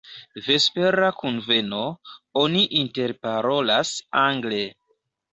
Vespera kunveno, oni interparolas angle.